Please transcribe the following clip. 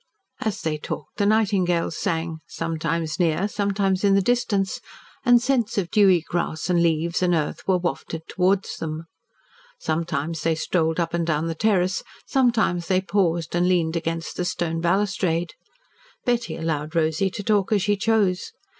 As they talked the nightingales sang, sometimes near, sometimes in the distance, and scents of dewy grass and leaves and earth were wafted towards them. Sometimes they strolled up and down the terrace, sometimes they paused and leaned against the stone balustrade. Betty allowed Rosy to talk as she chose.